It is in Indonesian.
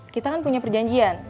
kita kan punya perjanjian